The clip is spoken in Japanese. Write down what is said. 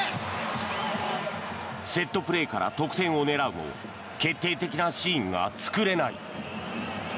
セットプレーから得点を狙うも決定的なシーンが作れない。